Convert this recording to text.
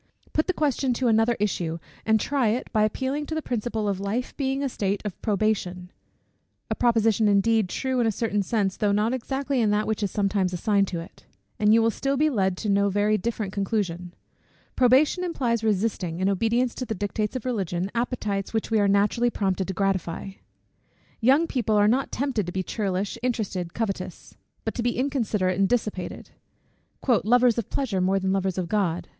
Put the question to another issue, and try it, by appealing to the principle of life being a state of probation; (a proposition, indeed, true in a certain sense, though not exactly in that which is sometimes assigned to it,) and you will still be led to no very different conclusion. Probation implies resisting, in obedience to the dictates of Religion, appetites which we are naturally prompted to gratify. Young people are not tempted to be churlish, interested, covetous; but to be inconsiderate and dissipated, "lovers of pleasure more than lovers of God."